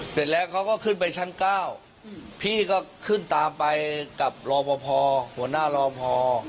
เสร็จแล้วเขาก็ขึ้นไปชั้น๙พี่ก็ขึ้นตามไปกับรอปภหัวหน้ารอพอ